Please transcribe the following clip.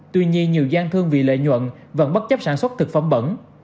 tuy nhiên nhiều gian thương vì lợi nhuận vẫn bất chấp sản xuất thực phẩm bẩn